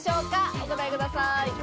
お答えください。